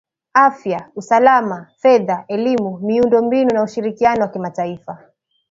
,afya , usalama , fedha , elimu , miundo mbinu na ushirikiano wa kimataifa